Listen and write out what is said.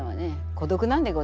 孤独なんでございます。